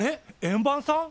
円盤さん？